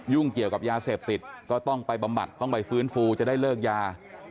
เกี่ยวกับยาเสพติดก็ต้องไปบำบัดต้องไปฟื้นฟูจะได้เลิกยา